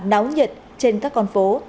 nóng nhật trên các con phố